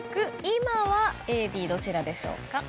今はＡＢどちらでしょうか？